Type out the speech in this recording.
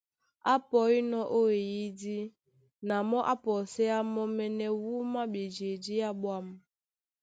Á pɔínɔ̄ ó eyídí, na mɔ́ á pɔséá mɔ́mɛ́nɛ́ wúma á ɓejedí yá ɓwâm,